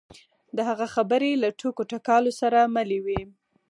د هغه خبرې له ټوکو ټکالو سره ملې وې.